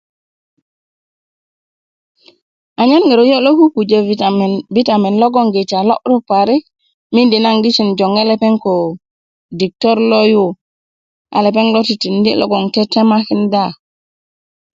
anyen ŋiro lio lo pupujö bitam bitamen logogiti a lo'but parik mindi naŋ di ti nan jöŋe ko diktor lo yu a lepeŋ lo tutindi logon tetemakinda